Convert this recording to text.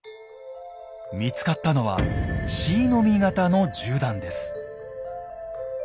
見つかったのは椎の実型の銃弾です。